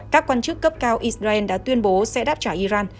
các quan chức cấp cao israel đã tuyên bố sẽ đáp trả iran